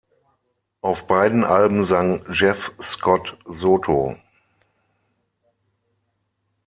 Auf beiden Alben sang Jeff Scott Soto.